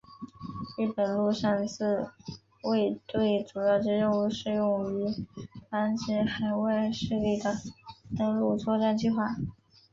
日本陆上自卫队主要之任务是用于防止海外势力的登陆作战计划。